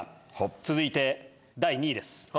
続いて第２位です。